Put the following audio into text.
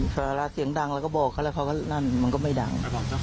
เวลาเสียงดังเราก็บอกเขาแล้วเขาก็นั่นมันก็ไม่ดัง